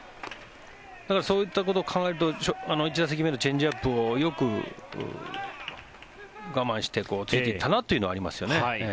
だからそういったことを考えると１打席目のチェンジアップをよく我慢してついていったなというのはありますよね。